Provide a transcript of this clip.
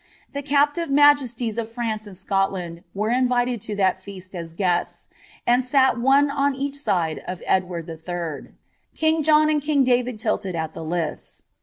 The captive mtjeaties of Fmnce and Si otlund were invited to that feasl as guests, and M OCX on each eide of Edward III. King John and king David tilted )i the li»ta.'